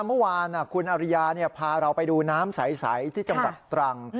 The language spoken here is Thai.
เมื่อวานคุณอริยาพาเราไปดูน้ำใสที่จังหวัดตรัง